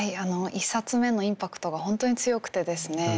１冊目のインパクトが本当に強くてですね